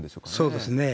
そうですね。